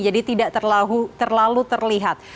jadi tidak terlalu terlihat